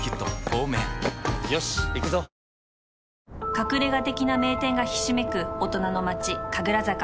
隠れ家的な名店がひしめく大人の街神楽坂